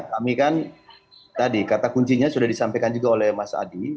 kami kan tadi kata kuncinya sudah disampaikan juga oleh mas adi